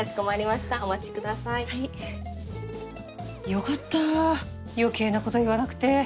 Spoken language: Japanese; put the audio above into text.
よかった余計なこと言わなくて